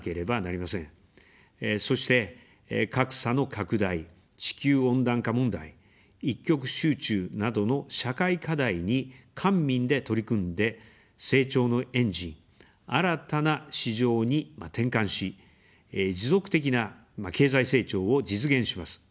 そして、格差の拡大、地球温暖化問題、一極集中などの社会課題に官民で取り組んで、成長のエンジン、新たな市場に転換し、持続的な経済成長を実現します。